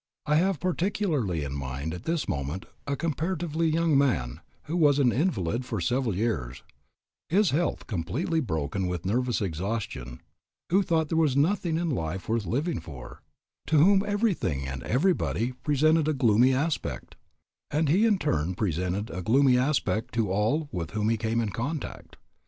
I have particularly in mind at this moment a comparatively young man who was an invalid for several years, his health completely broken with nervous exhaustion, who thought there was nothing in life worth living for, to whom everything and everybody presented a gloomy aspect, and he in turn presented a gloomy aspect to all with whom he came in contact.